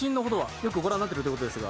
よくご覧になってるということですが。